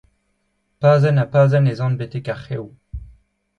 Pazenn ha pazenn ez an betek ar c'hev.